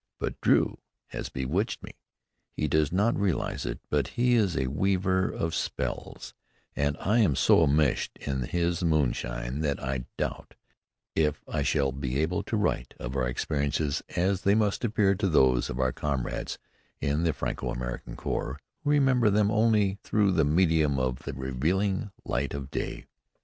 But Drew has bewitched me. He does not realize it, but he is a weaver of spells, and I am so enmeshed in his moonshine that I doubt if I shall be able to write of our experiences as they must appear to those of our comrades in the Franco American Corps who remember them only through the medium of the revealing light of day.